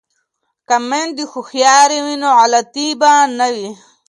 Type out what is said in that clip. که میندې هوښیارې وي نو غلطي به نه وي.